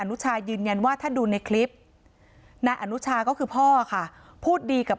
นุชายืนยันว่าถ้าดูในคลิปนายอนุชาก็คือพ่อค่ะพูดดีกับ